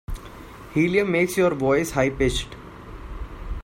Helium makes your voice high pitched.